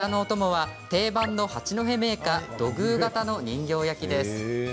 お茶のお供は、定番の八戸銘菓・土偶型の人形焼きです。